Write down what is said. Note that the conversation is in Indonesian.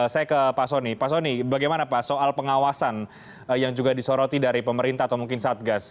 saya ke pak soni pak soni bagaimana pak soal pengawasan yang juga disoroti dari pemerintah atau mungkin satgas